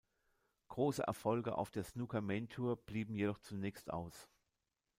Große Erfolge auf der Snooker Main Tour blieben jedoch zunächst aus.